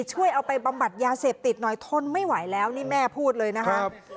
ช่วยเอาไปบำบัดยาเสพติดหน่อยทนไม่ไหวแล้วนี่แม่พูดเลยนะครับ